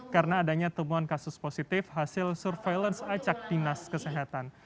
karena adanya temuan kasus positif hasil surveillance acak dinas kesehatan